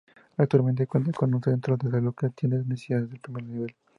Actualmente cuenta con un centro de salud que atiende necesidades de primer nivel.